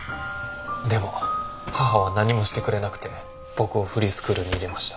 でも母は何もしてくれなくて僕をフリースクールに入れました。